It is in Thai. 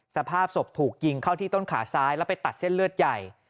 สภาพศพถูกยิงเข้าที่ต้นขาซ้ายแล้วไปตัดเส้นเลือดใหญ่